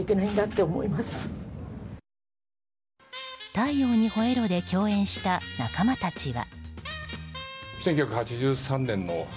「太陽にほえろ！」で共演した仲間たちは。